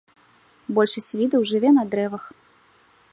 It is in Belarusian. Большасць відаў жыве на дрэвах.